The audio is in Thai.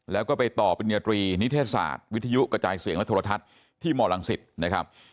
แล้วก็ไปต่อปริญญาตรีนิเทศศาสตร์วิทยุกระจายเสียงและโทรทัศน์ที่มลังศิษย์นะครับ